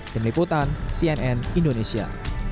tim liputan cnn indonesia